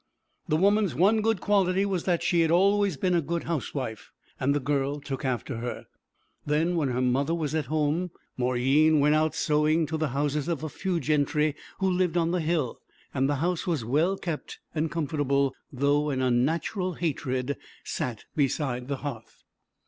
The woman's one good quality was that she had always been a good housewife, and the girl took after her. Then when her mother was at home Mauryeen went out sewing to the houses of the few gentry who lived on the hill; and the house was well kept and comfortable, though an unnatural hatred sat beside the hearth.